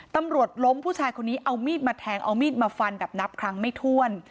ตำรวจล้มผู้ชายคนนี้เอามีดมาแทงเอามีดมาฟันแบบนับครั้งไม่ถ้วน